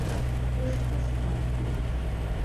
Бышхәа сҭан.